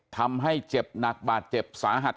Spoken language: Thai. ทำให้เจ็บหนักบาดเจ็บสาหัส